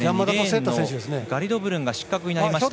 ガリドブルンが失格になりました。